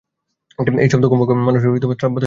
এই শব্দ কম্পাঙ্ক মানুষের শ্রাব্যতা সীমার ঊর্ধ্বে।